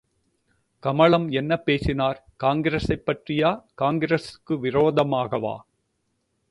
கமலம் என்ன பேசினார், காங்கிரசைப் பற்றியா, காங்கிரசுக்கு விரோதமாகவா?